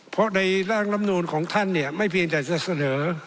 เพราะในร่างลำนูนของท่านเนี่ยไม่เพียงแต่จะเสนอ